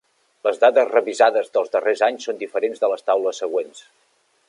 Les dades revisades dels darrers anys són diferents de les taules següents.